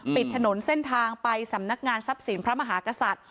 ปิดถนนเส้นทางไปสำนักงานทรัพย์สินพระมหากษัตริย์